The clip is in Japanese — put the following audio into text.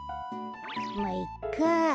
まいっか。